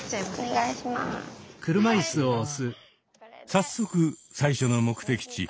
早速最初の目的地着物